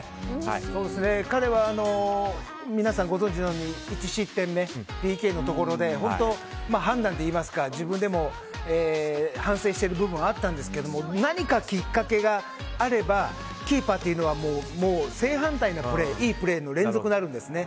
彼は、皆さんご存じのように１失点目、ＰＫのところで判断といいますか自分でも反省している部分はあったんですけれども何かきっかけがあればキーパーというのは正反対のプレーいいプレーの連続になるんですね。